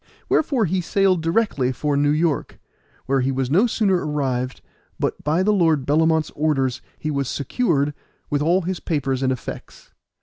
Wherefore he sailed directly for New York, where he was no sooner arrived but by the Lord Bellamont's orders he was secured with all his papers and effects.